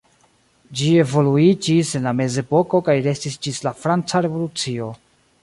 Ĝi evoluiĝis en la mezepoko kaj restis ĝis la Franca revolucio.